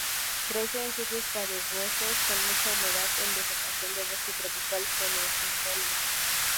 Crece en sitios pedregosos con mucha humedad, en vegetación de bosque tropical perennifolio.